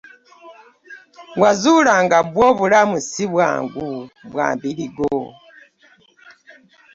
Wazora nga bwo obilamu sibwangi bwambirigo .